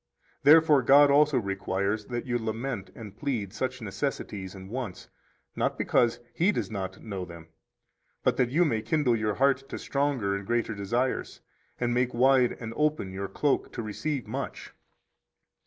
Therefore God also requires that you lament and plead such necessities and wants, not because He does not know them, but that you may kindle your heart to stronger and greater desires, and make wide and open your cloak to receive much.